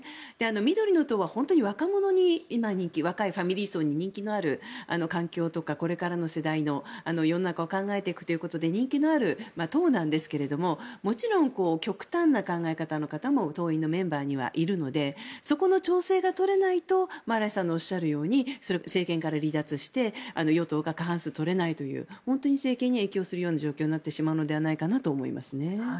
緑の党は本当に今、若者に人気若いファミリー層に人気のある環境とかこれからの世代の世の中を考えていくということで人気のある党なんですがもちろん、極端な考え方の方も党員のメンバーの中にはいるのでそこの調整が取れないとマライさんのおっしゃるように政権から離脱して与党が過半数を取れないという本当に政権に影響するような状況になってしまうのではないかと思いますね。